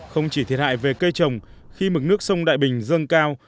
không chỉ thiệt hại về cây trồng khi mực nước sông đại bình dâng cao